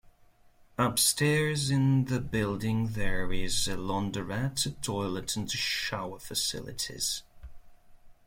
Upstairs in the building there is a launderette, a toilet and shower facilities.